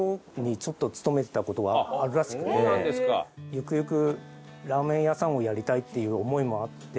ゆくゆくラーメン屋さんをやりたいっていう思いもあって。